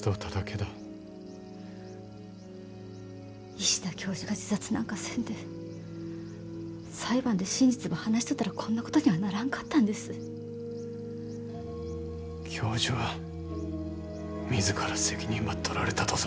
石田教授が自殺なんかせんで裁判で真実ば話しとったらこんなことにはならんかったんです。教授は自ら責任ばとられたとぞ。